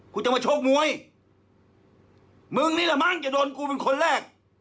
จะมาโชคมวยมึงนี่แหละมั้งจะโดนกูเป็นคนแรก